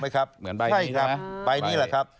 ใช่ครับใบนี้แหละครับ